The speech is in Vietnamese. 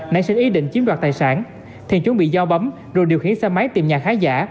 nãy xin ý định chiếm đoạt tài sản thiện chuẩn bị giao bấm rồi điều khiến xe máy tìm nhà khá giả